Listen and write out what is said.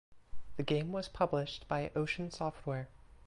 The game was published by Ocean Software.